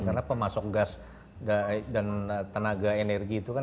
karena pemasok gas dan tenaga energi itu kan